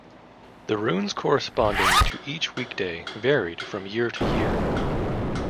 The runes corresponding to each weekday varied from year to year.